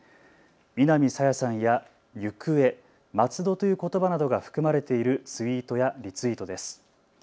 南朝芽さんや行方、松戸ということばなどが含まれているツイートやリツイートです。